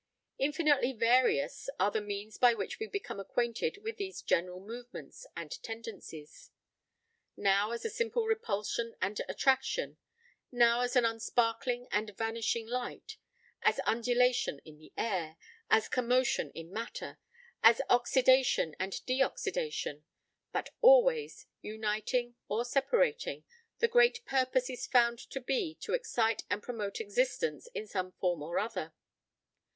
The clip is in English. Infinitely various are the means by which we become acquainted with these general movements and tendencies: now as a simple repulsion and attraction, now as an upsparkling and vanishing light, as undulation in the air, as commotion in matter, as oxydation and de oxydation; but always, uniting or separating, the great purpose is found to be to excite and promote existence in some form or other.